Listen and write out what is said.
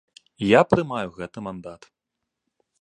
Я прымаю гэты мандат.